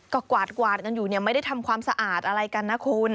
ก็กวาดกันอยู่เนี่ยไม่ได้ทำความสะอาดอะไรกันนะคุณ